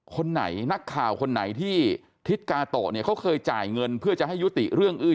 คนไหนนักข่าวคนไหนที่ทิศกาโตะเนี่ยเขาเคยจ่ายเงินเพื่อจะให้ยุติเรื่องอื้อ